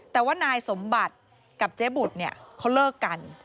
แต่ว่านายสมบัติกับเจ๊บุตรเนี่ยเขาเลิกกัน